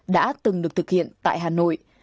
đã từng được thực hiện tại hà nội